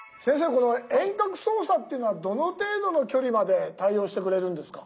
この遠隔操作っていうのはどの程度の距離まで対応してくれるんですか？